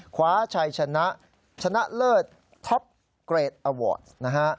คว้าชัยชนะชนะเลิศท็อปเกรดอวอร์สนะฮะ